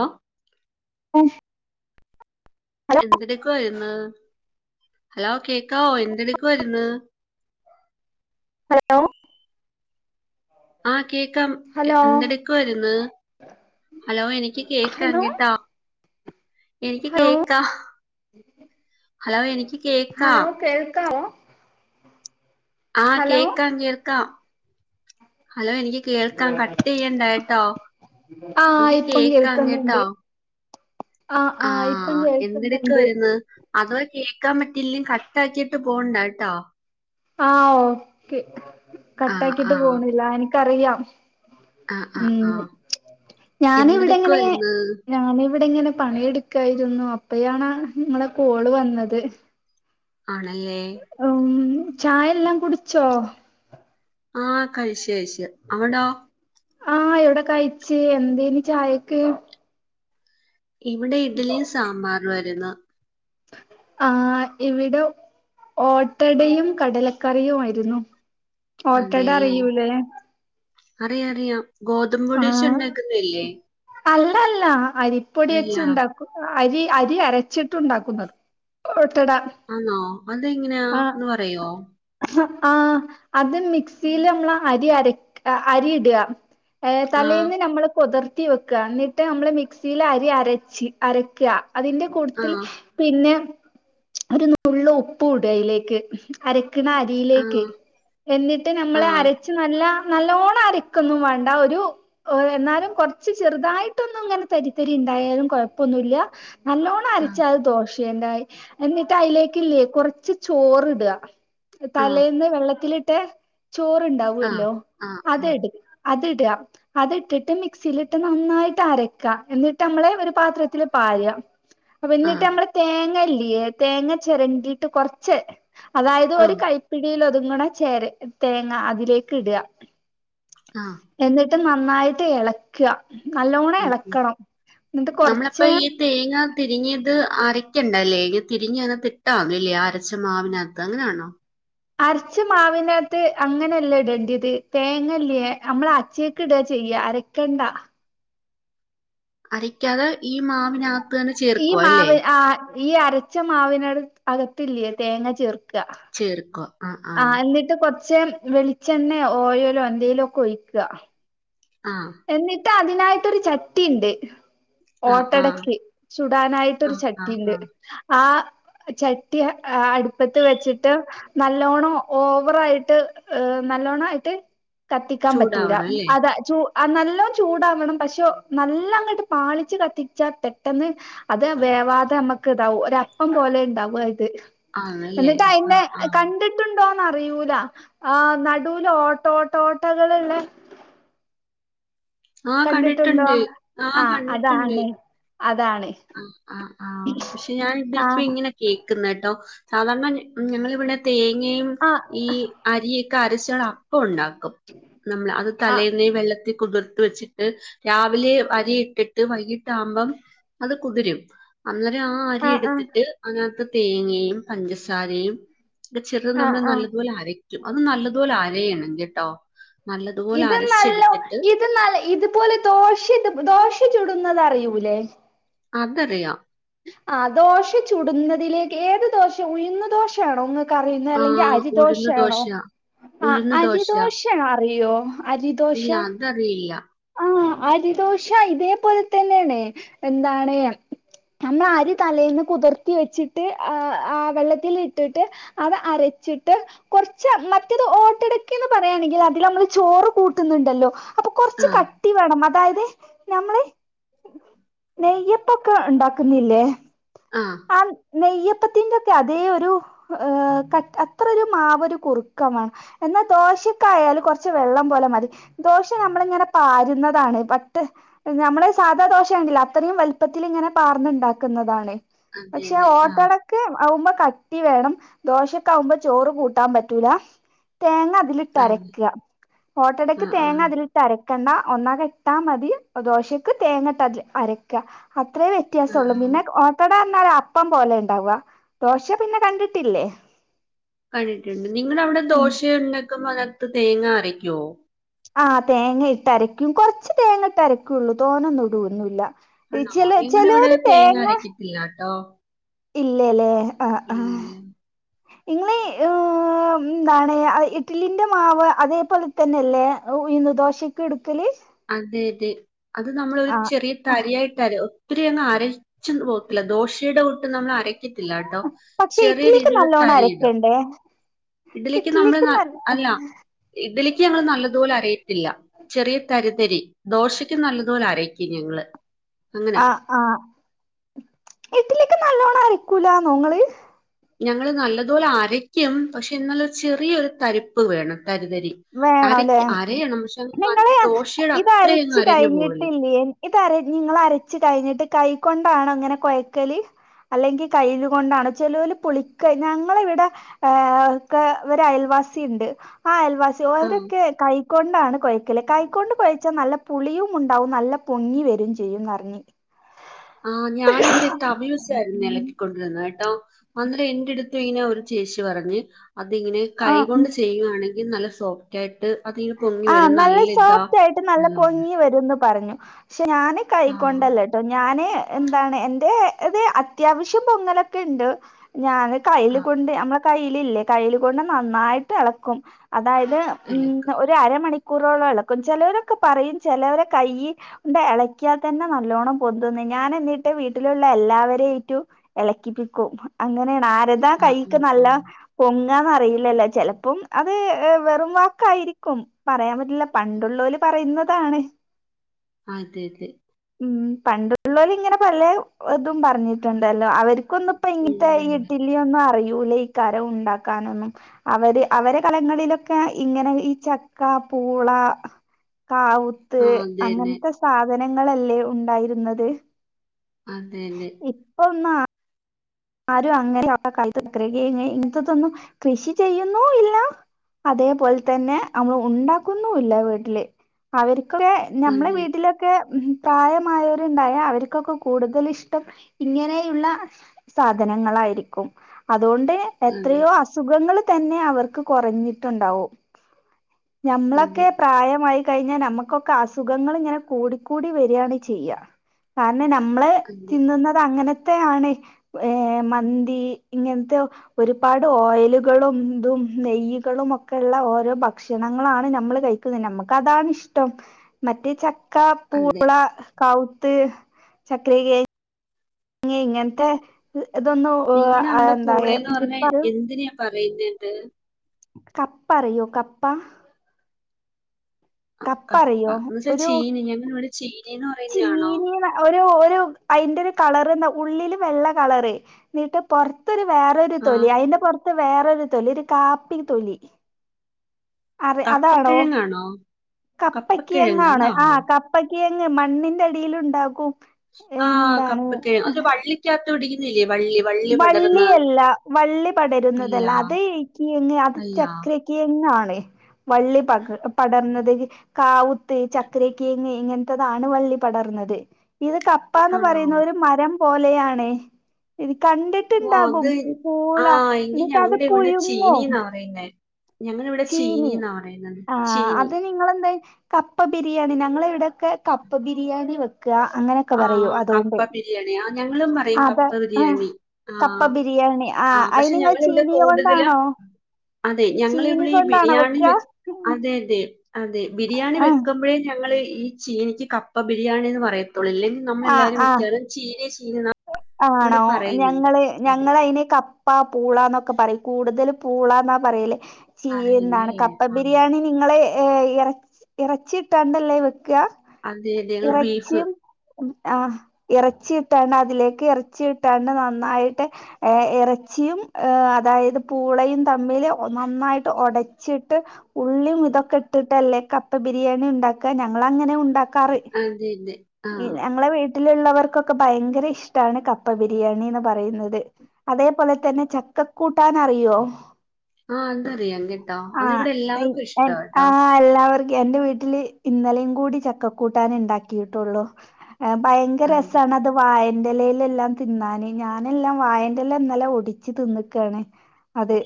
ആഹ് ഓ എന്തെടുക്കുവാരുന്ന് ഹലോ കേക്കാവോ എന്തെടുക്കുവാരുന്ന് ഹലോ ആഹ് കേക്കാം ഹലോ എന്തെടുക്കുവാര്ന്ന് ഹലോ എനിക്ക് കേക്കാം ഹലോ കേട്ടോ എനിക്ക് ഹലോ കേക്കാ ഹലോ എനിക്ക് ഹലോ കേക്കാം കേൾക്കാവോ ആഹ് ഹലോ കേക്കാം കേൾക്കാം ഹലോ എനിക്ക് കേൾക്കാം കട്ട് ചെയ്യണ്ടാ കേട്ടോ ആഹ് എനിക്ക് ഇപ്പം കേൾക്കാം കേട്ടോ കേൾക്കുന്നുണ്ട് ആഹ് ആ ആഹ് ഇപ്പം കേൾക്കുന്നുണ്ട് എന്തെടുക്കുവായിരുന്നു അഥവാ കേക്കാൻ പറ്റീല്ലേ കട്ടാക്കിയിട്ട് പോണ്ട കേട്ടോ ആഹ് ഓക്കെ ആ ആ കട്ടാക്കിയിട്ട് പോണില്ലാ എനിക്കറിയാം ആ ആ ഉം ആ ഞാന് ഇവിടെങ്ങെനെ എന്തെടുക്കുവായിരുന്നു ഞാനിവിടെ ഇങ്ങനെ പണിയെടുക്കായിരുന്നു അപ്പയാണ് ഇങ്ങളെ കോള് വന്നത് ആണല്ലേ ഉം ചായെല്ലാം കുടിച്ചോ ആഹ് കഴിച്ച് കഴിച്ച് അവടോ ആഹ് എവിടെ കയിച്ച് എന്തേനി ചായക്ക് ഇവിടെ ഇഡലിയും സാമ്പാറും ആയിരുന്നു ആഹ് ഇവിടെ ഓട്ടടയും കടലക്കറിയും ആയിരുന്നു അതെല്ലേ അറിയാ അറിയാം ഗോതമ്പ് പൊടി വെച്ച് ഉണ്ടാക്കുന്നല്ലേ അല്ലടാ അല്ലാ അരിപ്പൊടി വെച്ചു ഉണ്ടാക്കു അരി അരി അരച്ചിട്ട് ഉണ്ടാക്കുന്നത് ഓട്ടട ആന്നോ അതെങ്ങനെയാ ആഹ് ഒന്ന് പറയോ ആഹ് അത് മിക്സീല് നമ്മള് അരി അരക് അരി ഇടാ ഏഹ് ആ തലേന്ന് നമ്മള് കുതിർ ത്തി വെക്കാ ഇന്നിട്ട് നമ്മള് മിക്സീല് അരി അരച്ച് അരക്കാ അതിന്റെ ആ കൂട്ടത്തിൽ പിന്നെ ഒരു നുള്ളു ഉപ്പു ഇടാ അയിലേക്ക് അര ക്ക്ണ ആ അരിയിലേക്ക് എന്നിട്ട് ആ നമ്മള് അര ച്ച് നല്ല നല്ലോണം അരക്കൊന്നും വേണ്ടാ ഒരു ഓ എന്നാലും കൊറ്ച്ച് ചെറുതായിട്ടൊന്നും ഇങ്ങനെ തരിതരി ണ്ടായാലും കൊഴപ്പൊന്നുല്ല നല്ലോണം ആ ആ അരച്ചാത് ദോഷേന്റായി എന്നിട്ട് അയിലേക്കില്ലേ കുറച്ച് ചോറ് ടാ ആ ആ തലേന്ന് വെള്ളത്തിലിട്ടെ ചോറ്ണ്ടാവോല്ലോ ആ ആ അതെട്ക്കാ അത് ടാ അത്ട്ടിട്ട് മിക്സിയിലിട്ട് നന്നായിട്ട് അരക്കാ എന്നിട്ട് നമ്മളെ ഒരു പാത്രത്തില്ൽ പാരാ [inaudible] പിന്നിട്ട് നമ്മള് തേങ്ങല്ലേ തേങ്ങ ചെരണ്ടിട്ട് കൊറച്ച് അതായത് ഒരു കൈപ്പിടിയിൽ ഒതുങ്ങ്ണ ചേര തേങ്ങ അതിലേക്ക് ഇടാ ആ എന്നിട്ട് നന്നായിട്ട് എളക്ക നല്ലോണം ഉം, ഉം. എളക്കണം എന്നിട്ട് നമ്മളപ്പോ കൊറച്ച് ഈ തേങ്ങ തിരിങ്ങിയത് അരക്കണ്ടല്ലേ ഇനി തിരിങ്ങി അക തിട്ടാതി ല്ലേ അരച്ച മാവിനകത്ത് അങ്ങനെയാണോ അരച്ച മാവിനകത്ത് അങ്ങനെയല്ല ഇടേണ്ടിയത് തേങ്ങല്ലേ നമ്മൾ അച്ചെയ്ക്ക് ഇടാ ചെയ്യ അര കണ്ട അരക്യാതെ ഈ മാവിനക ഈ മാവ് ആ ഈ അരച്ച മാവിനട് അകത്തില്ലേ തേങ്ങ ചേർക്ക ചേർക്ക ആ ന്നിട്ട് കൊറ്ച്ച് വെളിച്ചെണ്ണെ ഓയ്ലോ എന്തേലും ഒക്കെ ഒഴിക്ക ആ എന്നിട്ട് അതിനായിട്ടൊരു ചട്ടി ണ്ട് ആ ആ ഓട്ടടെക്ക് ആ ചുടാനായിട്ടൊരു ആ ചട്ടി ണ്ട് ആ ആ ചട്ടി അടുപ്പത്ത് അ വെച്ചിട്ട് നല്ലോണം ഓവറായിട്ട് നല്ലോണം ആയിട്ട് കത്തിക്കാൻ പറ്റൂല ചൂടാവണം അല്ലേ അതാ ചൂ ആ നല്ലോം ചൂടാവണം പഷോനല്ല ങ്ങട്ട് പാളിച്ച് കത്തിച്ചാ പെട്ടെന്ന് അത് വേവാതെ മ്മക്ക് ഇതാവും ഒരപ്പം പോലെ ണ്ടാവും അ ഇത് ആ ല്ലേ ആ ആ ട്ട്ണ്ടോന്ന അറിയൂല ആ നടൂൽ ഓട്ടോ ട്ടൊ ട്ടകൾ ള്ളെ ആഹ് കണ്ടിട്ടുണ്ടോ കണ്ടിട്ടുണ്ട് ആഹ് ആ അതാണ് അതാണ് ആ ആ ആ ക്ഷെ ഞാനിതിപ്പ ആഹ് ഇങ്ങിനെ കേക്ക്ന്നെ ട്ടോ സാധാരണ ഞങ്ങളിവിടെ തേങ്ങയും ആഹ് ഈ അരിയൊക്കെ അരച്ചാണ് അപ്പണ്ടാക്കും നമ്മൾ അത് ആഹ് തലേന്നെ വെള്ളത്തിൽ കുതിർത്ത് വെച്ചിട്ട് രാവിലെ അരി ഇട്ടിട്ട് വൈകിട്ടാമ്പം അത് കുതിരും അന്നേരം ആ അരി ആഹ് ആഹ് ട്ത്തിട്ട് അതിനകത്ത് തേങ്ങയും പഞ്ചസാരെയും ചെറുത് ആഹ് നമ്മള് ആഹ് നല്ലതുപോലെ അരയ്ക്കും അത് നല്ലതുപോലെ അരയണം കെട്ടോ നല്ലതുപോലെ അരച്ചെടുത്തിട്ട് ത് ന്നാൽ ഇതുപോലെ ദോഷ് ദോഷിച്ചുടുന്നുന്നത് അറിയൂല്ലേ അതറിയാം ആ ദോശ ചുടുന്നതിലേക്ക് ഏത് ദോശ ഉഴുന്ന ദോശയാണോ ങ്ങ കറിയുന്ന ആ അല്ലെങ്കിൽ ഉഴുന്ന് അരിദോഷേണോ ദോശ ആ ഉഴുന്ന് ദോശ അരിദോഷ അറിയോ അരിദോഷ ഇല്ല അതറിയില്ല ആ അരിദോഷ ഇതേപോലെ തന്നെയണ് എന്താണ് നമ്മള ആരി തലേൽന്ന് കുതിർത്തി വെച്ചിട്ട് ആ അ വെള്ളത്തിലിട്ടിട്ട് അത് അരച്ചിട്ട് കൊറച്ച് മറ്റേത് ഓട്ടെടക്കേന്ന് പറയാണെങ്കില് അതില് നമ്മള് ചോറ് കൂട്ടുന്നുണ്ടല്ലോ അപ്പൊ കൊറ ച്ച് ക ആഹ് ട്ടി വേണം അതായത് ഞമ്മള് നെയ്യപ്പൊക്കെ ഇണ്ടാക്കുന്നില്ലേ ആഹ് ആ നെയ്യപ്പത്തിന്റെ ഒക്കെ അതേ ഒരു ഏഹ് ക അത്രൊരു മാവൊരു കുറുക്കം വേണം എന്നാ ദോശക്കായാല് കൊറച്ച് വെള്ളം പോലെ മതി ദോശ നമ്മളിങ്ങനെ പാരുന്നതാണ് പട്ട്‌ നമ്മള് സാധാ ദോശണ്ടില്ലേ അത്രയും വലുപ്പത്തില് ഇങ്ങനെ പാർന്നുണ്ടാക്കുന്നതാണ് പക്ഷേ അതന്നെ ആഹ് ഓട്ടട ക്ക് ആവുമ്പോ കട്ടി വേണം ദോശക്കാവുമ്പോ ചോറ് കൂട്ടാൻ പറ്റൂല തേങ്ങ അതില് തന്നെ ട്ടരക്കാ ഓട്ടടക്ക് ആഹ് ആഹ് തേങ്ങതില് ട്ടരക്കണ്ട ഒന്നാകെട്ടാ മതി ദോശക്ക് തേങ്ങട്ടതില് അരക്കാ അത്രേ വ്യ ആഹ് ത്യാസൊള്ളു പിന്നെ ആഹ് ഓട്ടടാന്നറഞ്ഞാല് അപ്പം പോലെ ഇണ്ടാവാ ദോശ പിന്നെ കണ്ടിട്ടില്ലേ കണ്ടിട്ടുണ്ട് നിങ്ങടവിടെ ഉം ദോശ ഉണ്ടാക്കുമ്പോ അതിനാത്ത് തേങ്ങ അരയ്ക്കോ ആഹ് തേങ്ങ ഇട്ട് അരക്കും കൊറച്ച് തേങ്ങ ഇട്ടരയ്ക്കുള്ളൂ തോനൊന്നു ഇടൊന്നുല്ലാ ഈ ചെല ചെലോല് തേങ്ങ ഇല്ലാട്ടോ. ഇല്ലലേ ആഹ് ആഹ് ഇങ്ങളീ ഏഹ് ഏഹ് എന്താണ് ആഹ് ഇഡലിന്റെ മാവ് അതേപോലെ തന്നെയല്ലേ ഉയുന്ന് ദോശക്ക് എടുക്കല് അതെ അതെ അത് നമ്മളൊരു ആഹ് ചെറിയ തരിയായി ട്ടര ഒത്തിരി അങ്ങ് അരച്ച് പോകത്തില്ല ദോശയുടെ കൂട്ട് നമ്മൾ അരക്കത്തില്ലാട്ടോ ചെറിയ രീതിയില് തരിയിടും ഡേ ഇഡ്ഡലിയ്ക്ക് നമ്മള് അല്ല ഇഡ്ഡലിയ്ക്ക് ഞങ്ങള് നല്ലതുപോലെ അരയത്തില്ല ചെറിയ തരിതരി ദോശയ്ക്കും നല്ലതുപോലെ അരയ്ക്കും ഞങ്ങള് അങ്ങനെ ആഹ് ആഹ് ഇഡ്ഡലിയ്ക്ക് നല്ലോണ്ണം അരക്കൂലാന്നോ ഇങ്ങള് ഞങ്ങള് നല്ലതുപോലെ അരയ്ക്കും പക്ഷെ എന്നാലും ചെറിയൊരു തരിപ്പ് വേണം തരിതരി വേണല്ലേ അരയ്ക്ക് അരയണം പക്ഷെ അത് നിങ്ങള് നല്ല ദോശയുടെ ഇത് അരച്ച് അത്രയൊന്നും അരഞ്ഞു പോവില്ല കഴിഞ്ഞിട്ടില്ല്യേ ഇത് അരഞ്ഞ് ഇങ്ങള് അരച്ച് കയിഞ്ഞിട്ട് കൈ കൊണ്ടാണോ ഇങ്ങനെ കൊയക്കല് അല്ലെങ്കി കയിലുകൊണ്ടാണോ ചെലോല് പുളിക്ക ഞങ്ങളിവിടെ ഏഹ് ക്കെ ഇവരെ അയൽവാസി ഇണ്ട് ആ അയൽവാസി ആ അവരൊക്കെ കൈക്കൊണ്ടാണ് കൊയക്കല് കൈകൊണ്ട് കൊഴച്ചാ നല്ല പുളിയും ഉണ്ടാവും നല്ല പൊങ്ങി വരും ചെയ്യുംന്നറിഞ്ഞു ആഹ് ഞാനിവിടെ തവി വെച്ചാരുന്നെളക്കിക്കൊ ണ്ടാരുന്നേട്ടോ അന്നേരം എന്റെടുത്തു ഇങ്ങനെ ഒരു ചേച്ചി പറഞ്ഞ് അതിങ്ങനെ കൈ ആഹ് ഉം കൊണ്ട് ചെയ്യുവാണെങ്കി നല്ല സോഫ്റ്റായിട്ട് അതിങ്ങനെ പൊങ്ങി ആഹ് വരും നല്ല ഇതാ സോഫ്റ്റായിട്ട് നല്ല എന്ന് പറഞ്ഞു പൊങ്ങി വരുംന്ന് പറഞ്ഞു പക്ഷെ ഞാന് ആ കൈക്കൊണ്ടല്ല ട്ടോ ഞാന് എന്താണ് എന്റെ ഇത് അത്യാവശ്യം പൊങ്ങലൊക്കെ ഇണ്ട് ഞാന് കയ്ല് ആ കൊണ്ട് നമ്മളെ കയ്യിലില്ലേ കൈല് കൊണ്ട് നന്നായിട്ട് എളക്കും അതായത് ഉം ഇലക്ക് ഒരു അരമണിക്കൂറോളം എളക്കും ചെലോരൊക്കെ പറയും ചെലോരെ കയ്യ് ഒന്ത എളക്കിയാത്തന്നെ നല്ലോണ്ണം പൊന്തുന്ന് ഞാന് എന്നിട്ട് വീട്ടിലുള്ള എല്ലാവരെയിറ്റു എളക്കിപ്പിക്കും അങ്ങനെയാണ് ആര താ ആ കയ്ക്ക് ഉം, ആ നല്ല പൊങ്ങാന്ന് അറിയില്ലല്ലോ ചെലപ്പം അത് ഏഹ് വെറും വാക്കായിരി ക്കും പറയാൻ പറ്റില്ല പണ്ടുള്ളോല് പറയുന്നതാണ് ആതെതെ ഉം പണ്ടുള്ളോല് ഇങ്ങനെ പലേ ഇതും പറഞ്ഞിട്ടുണ്ടല്ലോ അവർക്കൊന്ന് പ്പ ഇങ്ങനത്തെ ഉണ്ട് ഈ ഉണ്ട് ലൊന്നും അറിയൂലെകാരം ഉണ്ടാക്കാനൊന്നും അവര് അവരെ കലങ്ങളിലൊക്കെ ഇങ്ങനെ ചക്ക പൂള കാവുത്ത് ആ അതെ തന്നെ അങ്ങനത്തെ സാധനങ്ങളല്ലേ ഉണ്ടായിരുന്നത് അതെ തന്നെ ഇപ്പൊന്നാ ആരും അങ്ങനെ ആ കാലത്ത് ചക്കരകിഴങ് ഇതൊന്നും കൃഷി ചെയ്യുന്നു ഇല്ല അതേപോലെ തന്നെ നമ്മള് ഉണ്ടാക്കുന്നുല്ല വീട്ടില് അവർക്കൊക്കെ ഞമ്മളെ അതെ വീട്ടിലൊക്കെ ഉം പ്രായമായോര്ണ്ടായ അവര്ക്കൊക്ക കൂട്തല് ഇഷ്ടം ഇങ്ങനെയുള്ള സാധനങ്ങളാരിക്കും അതുകൊണ്ട് അതെ എത്രയോ അസ് സുഖങ്ങൾള് തന്നെ അവർക്ക് കൊറഞ്ഞിട്ടൊണ്ടാവു അതെ ഞമ്മളൊക്കെ പ്രായമായി കഴിഞ്ഞാ നമ്മക്കൊക്ക അസുഖങ്ങള് ഇങ്ങന കൂടിക്കൂടി വെരിയാണ് ചെയ്യ കാരണം നമ്ള് അതെ തിന്നുന്നത് അങ്ങനത്തെ ആണെ ഏഹ് മന്തി ഇങ്ങൻത്തെയോ ഒരുപാട് ഓയലുകളും ഇതും നെയ്യ്കളും ഒക്കെള്ള ഓരോ ഭക്ഷണങ്ങളാണ് നമ്മള് കയ് ക്കുന്നെ നമ്മക്കതാണ് ഇഷ്ടം മറ്റേ ച ക്ക അതെ പൂള കാവുത്ത് ചക്രികെ ങ്ങെ ഇങ്ങൻത്ത ഇതൊന്നു നിങ്ങളുടെ ആ എന്താ എ ഇപ്പ അത് പറെയുന്നുണ്ട് കപ്പ അറിയോ കപ്പ കപ്പ കപ്പറിയോ എന്ന് വെച്ചാൽ ഒരു ചീനി ഞങ്ങൾ ഇവിടെ ചീനി എന്ന് പറയുന്നതാണോ ചീനീന്ന് ഒരു ഒരു അയ്ന്റൊര് കളർന്നാ ഉള്ളില് വെള്ള കളറ് എന്നീട്ട് പൊറ ത്തൊരു വേറൊരു ആ തൊലി അയ്ന്റ പൊറത്ത് വേറൊരു തൊലി ഒര് കാപ്പി തൊലി അറി അതാണോ അണോ കപ്പക്കേങ്ങാണ് ആഹ് കപ്പക്കേങ്ങ് മണ്ണിന്റടീല് ഉണ്ടാക്കു ആഹ് കപ്പക്കെ അതൊര് വള്ളിക്കാത്ത് പിടിക്കുന്നെല്ലേ വള്ളി വള്ളി പടർന്ന് വള്ളിയല്ല വള്ളി അല്ല പടരുന്നതല്ല അത് കീങ്ങ് അത് അല്ല ചക്രെ എങ്ങാണ് വള്ളി പകർ പടർന്നെത് കാവുത്ത് ചക്കരെക്കേങ്ങ് ഇങ്ങൻത്തതാണ് വള്ളി പടർന്നത് ഇത് കപ്പാന്ന് ആണോ പറെന്നൊര് മരം പോലെയാണ് ഓ കണ്ടിട്ട്ണ്ടാകും അത് ആ പൂള എന്നിട്ടത് പുയുങ്ങും പിന്നെ ചീനി ആഹ് ചീനി അത് നിങ്ങളെന്തെ കപ്പ ബിരിയാണി ഞങ്ങള ഇവിടെക്കെ കപ്പ ബിരിയാണി വെക്ക്‌ക അങ്ങനെ ആഹ് കപ്പ ബിരിയാണി ആ ഞങ്ങളും പറേം അതെ കപ്പ ആ ബിരിയാണി കപ്പ ആഹ് ബിരിയാണി ആ ആഹ് പഷെ അയിന് നിങ്ങൾ ഞങ്ങളിവ്ടെ ചീനി കൂട്തലും കൊണ്ടാണോ അതെ ചീനി ഞങ്ങളിവ്ടീ കൊണ്ടാണോ ബിരിയാണി വെക്കാ വെ അതെ അതെ അതെ ബിരിയാണി ആഹ് വെക്കുമ്പഴേ ഞങ്ങള് ഈ ചീനിക്ക് കപ്പ ബിരിയാണിന്ന് പറയത്തൊള് ഇല്ലെ ആഹ് നമ്മളെല്ലാരും ആഹ് മിക്കാറും ചീനിയെ ചീനീന്ന ആണോ ഞങ്ങള് അതെ ഞങ്ങള അയ്നെ ക പ്പാ പൂളാന്നൊക്ക പറേം കൂട്തല് പൂളാന്നാ പറയല് ചീന്നാണ് പറയുന്നല്ലേ കപ്പ ആഹ് ബിരിയാണി നിങ്ങള് എ എറ എറച്ചി ഇട്ടാണ്ടല്ലേ വെക്കക അതെ അതെ ഇങ്ങള് ബീഫ് ഇറച്ചിം ഉം ആഹ് എറച്ചി ഇട്ടാണ ഇതിലേക്ക് ഇറച്ചി ഇട്ടാണ്ട് നന്നായിട്ട് ഏഹ് ഇറച്ചിയും ആഹ് അതായത് പൂളെയും തമ്മില് ഒ നന്നായിട്ട് ഒടച്ചിട്ട് ഉള്ളിയും ഇതൊക്ക ഇട്ടിട്ടല്ലേ കപ്പ ബിരിയാണി ഉണ്ടാക്കാ ഞങ്ങള് അങ്ങനെയാ ഉണ്ടാക്കാറ് അത് തന്നെ ഇ ഞങ്ങള വീട്ടിലുള്ളവർക്കൊക്കെ ഭയങ്കര ഇഷ്ടാണ് കപ്പ ബിരിയാണീന്ന് പറയുന്നത് അതേപോലത്തന്നെ ചക്കക്കൂട്ടാനറിയോ? ആഹ് അതറിയാം കേട്ടോ ആഹ് അതിവിടെ എല്ലാവർക്കും ഇഷ്ടാ [unintelligible] കേട്ടോ ആഹ് എല്ലാവർ എന്റ വീട്ടില് ഇന്നലെയും കൂടി ചക്കക്കൂട്ടാനിണ്ടാക്കീട്ടൊള്ളു ഏഹ് ഭയങ്കര അത് രസാണതും വായന്റെ ഇലയിലെല്ലാം തിന്നാന് ഞാനെല്ലാം വായന്റെ ഇല ഇന്നെല ഒടിച്ച് തിന്ന്ക്കാണ് അതെ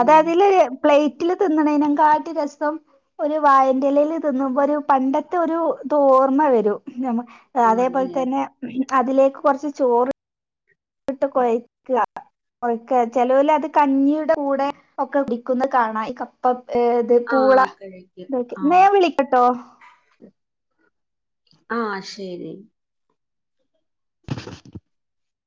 അത് അതില് പ്ലേറ്റില് തിന്നണേന് കാട്ടി രസം ഒര് വാഴെന്റെ ഇലയില് തിന്നപ്പോര് പണ്ടത്തൊരു ഓർമ്മ വരും ഞമ അതെയോ അതെപോലത്തന്നെ അതിലേക്ക്‌ കൊറച്ച് ചോറ് ഇട്ട് കുഴക്കാ ഒഴിക്ക ചെലോല് അത് കഞ്ഞിയുടെ കൂടെ ഒക്കെ കുടിക്കുന്നത് കാണാം ഈ കപ്പ ഏഹ് ദേ പൂള ആഹ് കഴിക്കും [unintelligible] ആഹ് ഞാൻ വിളിക്കട്ടോ ആഹ് ശരി